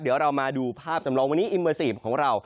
เดี๋ยวเรามาดูภาพจำลองวันนี้อิมเมอร์ซีฟของเรา